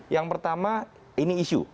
yang pertama ini isu